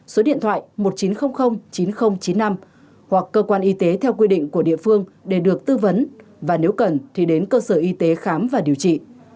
số điện thoại một nghìn chín trăm linh chín nghìn chín mươi năm hoặc cơ quan y tế theo quy định của địa phương để được tư vấn và nếu cần thì đến cơ sở y tế khám và điều trị